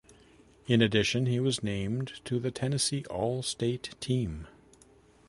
In addition, he was named to the Tennessee all-state team.